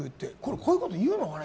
こういうこと言うのかな